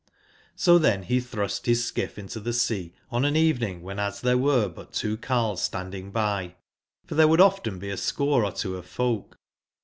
So then be thrust bis skiff into tbe sea on an evening whenas there were but two carles stand ing by; for there would often be a score or two of folk.